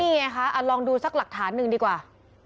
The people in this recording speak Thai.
นี่ไงคะลองดูสักหลักฐานหนึ่งดีกว่า